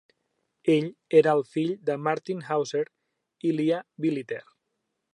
Ell era el fill de Martin Hauser i Leah Billiter.